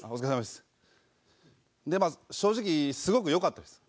でまあ正直すごくよかったです。